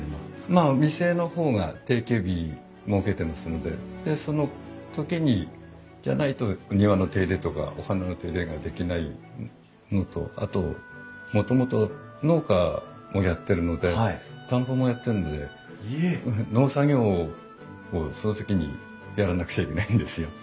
まあ店の方が定休日設けてますのででその時じゃないと庭の手入れとかお花の手入れができないのとあともともと農家もやってるので田んぼもやってるので農作業をその時にやらなくちゃいけないんですよ。